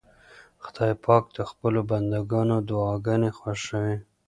خدای پاک د خپلو بندګانو دعاګانې خوښوي.